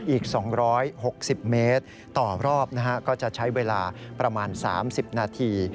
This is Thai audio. อีก๒๖๐เมตรต่อรอบก็จะใช้เวลาประมาณ๓๐นาที